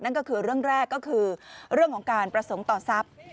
นั่นก็คือเรื่องแรกก็คือเรื่องของการประสงค์ต่อทรัพย์